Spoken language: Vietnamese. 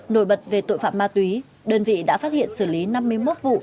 nổi bật về tội phạm ma túy đơn vị đã phát hiện xử lý năm mươi một vụ